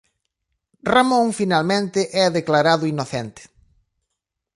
Ramón finalmente é declarado inocente.